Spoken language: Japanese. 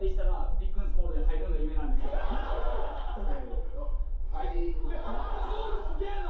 ビックスモールンすげぇな。